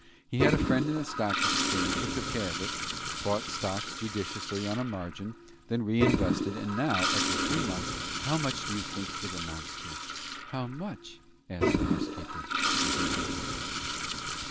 He had a friend in the Stock Exchange who took charge of it, bought stocks judiciously on a margin, then reinvested, and now, after three months, how much do you think it amounts to?" "How much?" asked the housekeeper, with interest.